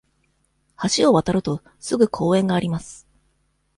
橋を渡ると、すぐ公園があります。